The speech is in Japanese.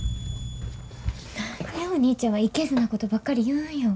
何でお兄ちゃんはいけずなことばっかり言うんよ。